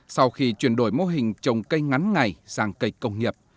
sau khi chuyển đổi mô hình trồng cây ngắn ngày sang cây công nghiệp